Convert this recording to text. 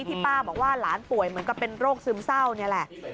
ที่ป้าบอกว่าหลานป่วยเหมือนกับเป็นโรคซึมเศร้านี่แหละ